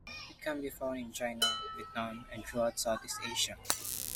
It can be found in China, Vietnam and throughout Southeast Asia.